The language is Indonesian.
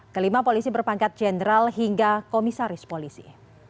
kelima polisi berpangkat jenderal hingga komisaris polisi